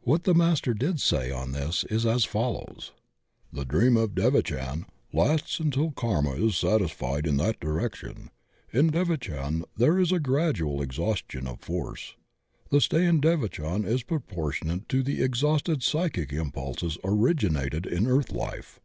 What the Master did say on this is as follows: "The 'dream of devachan' lasts until karma is satisfied in that direction. In devachan there is a gradual ex haustion of force. The stay in devachan is propor tionate to the unexhausted psychic impulses originated in earth life.